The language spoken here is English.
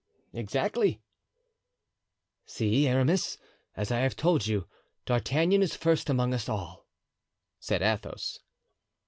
"Exactly." "See, Aramis, as I have told you, D'Artagnan is first amongst us all," said Athos.